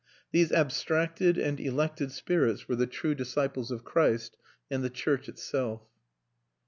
These abstracted and elected spirits were the true disciples of Christ and the church itself.